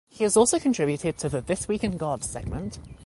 He has also contributed to the "This Week in God" segment.